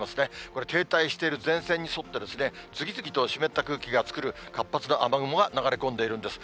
これ、停滞している前線に沿って、次々と湿った空気が作る活発な雨雲が流れ込んでいるんです。